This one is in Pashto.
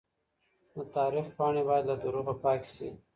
د تاريخ پاڼې بايد له دروغه پاکې سي.